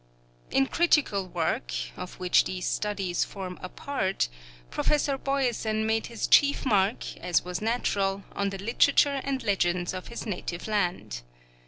In critical work, of which these studies form a part, Professor Boyesen made his chief mark, as was natural, on the literature and legends of his native land.